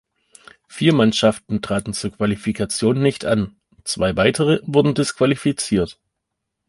Vier Mannschaften traten zur Qualifikation nicht an, zwei weitere wurden disqualifiziert.